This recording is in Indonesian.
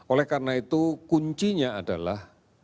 oleh karena itu kuncinya adalah